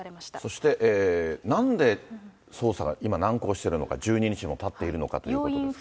そして、なんで捜査が今、難航しているのか、１２日もたっているのかということですが。